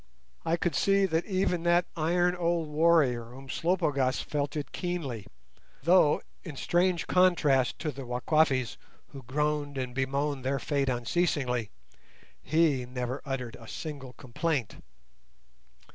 I could see that even that iron old warrior Umslopogaas felt it keenly; though, in strange contrast to the Wakwafis, who groaned and bemoaned their fate unceasingly, he never uttered a single complaint.